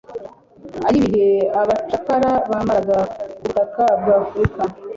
aibihe abacakara bamaraga ku butaka bwa Afurika.